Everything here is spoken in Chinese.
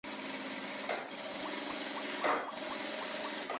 不同时期的叉手礼略有变化。